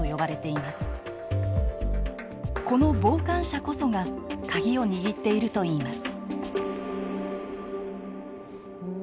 この傍観者こそがカギを握っているといいます。